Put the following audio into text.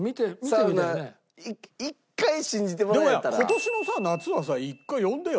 今年の夏はさ１回呼んでよ。